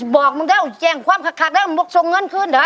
บอกมึงเด้อว่าแจงความขาดเด้อมุกชงเงินขึ้นเหรอ